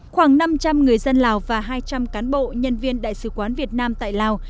khoảng năm trăm linh người dân lào và hai trăm linh cán bộ nhân viên đại sứ quán việt nam tại lào